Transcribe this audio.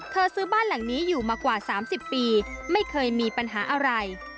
ซื้อบ้านหลังนี้อยู่มากว่า๓๐ปีไม่เคยมีปัญหาอะไร